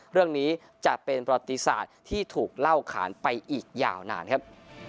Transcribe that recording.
เรื่องนี้จะเป็นประติศาสตร์ที่ถูกเล่าขานไปอีกยาวนานครับ